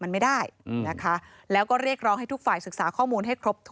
มันไม่ได้ช่วงแล้วก็เรียกร้องให้ทุกฝ่ายสึกศาข้อมูล